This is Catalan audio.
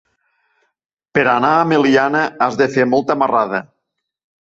Per anar a Meliana has de fer molta marrada.